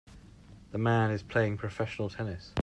The man is playing professional tennis.